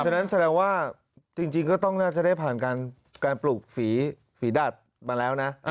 ฉะนั้นแสดงว่าจริงก็ต้องน่าจะได้ผ่านการปลูกฝีดัดมาแล้วนะ